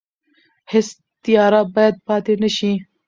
هیڅ تیاره باید پاتې نه شي.